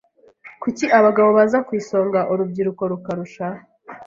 Kuki abagabo baza ku isonga, urubyiruko rukarusha?